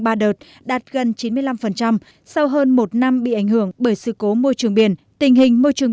ba đợt đạt gần chín mươi năm sau hơn một năm bị ảnh hưởng bởi sự cố môi trường biển tình hình môi trường